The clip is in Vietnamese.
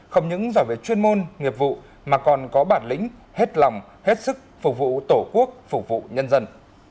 không những giỏi về chuyên môn nghiệp vụ mà còn có bản lĩnh hết lòng hết sức phục vụ tổ quốc phục vụ nhân dân